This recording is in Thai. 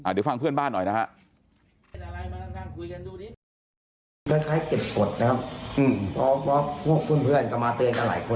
เดี๋ยวฟังเพื่อนบ้านหน่อยนะฮะ